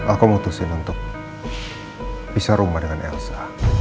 aku memutuskan untuk pisah rumah dengan elsa